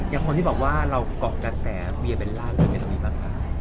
อย่างคนที่บอกว่าเราก็ก่อกระแสเวียเบลล่ามีอะไรบ้างคะ